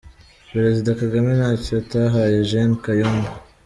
Perezida Kagame ntacyo atahaye Gen. Kayumba.